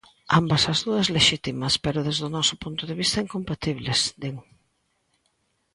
"Ambas as dúas lexítimas, pero desde o noso punto de vista incompatibles", din.